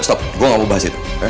stop gue gak mau bahas itu